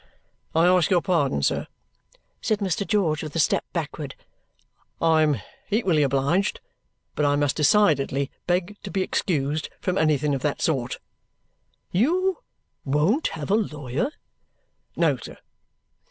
"I ask your pardon, sir," said Mr. George with a step backward. "I am equally obliged. But I must decidedly beg to be excused from anything of that sort." "You won't have a lawyer?" "No, sir."